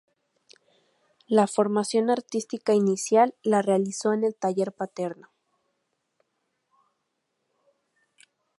La formación artística inicial la realizó en el taller paterno.